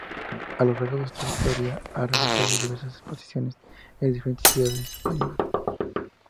A lo largo de su trayectoria ha realizado diversas exposiciones en diferentes ciudades españolas.